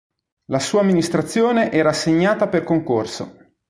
La sua amministrazione era assegnata per concorso.